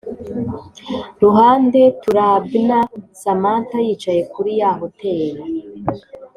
ruhande turabna samantha yicaye kuri ya hoteli